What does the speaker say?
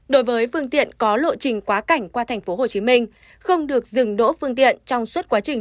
đối với phương tiện có lộ trình quá cảnh qua tp hcm không được dừng đỗ phương tiện trong suốt quá trình